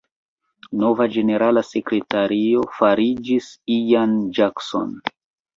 Nova ĝenerala sekretario fariĝis Ian Jackson.